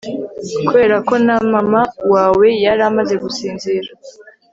kubera ko na mama wawe yari amaze gusinzira